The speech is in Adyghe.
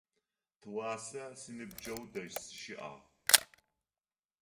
Тыгъуасэ синыбджэгъу дэжь сыщыӏагъ.